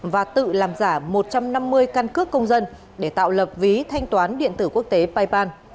và tự làm giả một trăm năm mươi căn cước công dân để tạo lập ví thanh toán điện tử quốc tế paypal